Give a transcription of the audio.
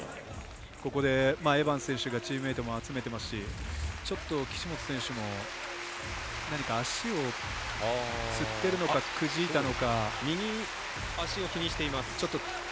ここで、エバンス選手がチームメートも集めてますしちょっと岸本選手も何か足をつってるのかくじいたのか。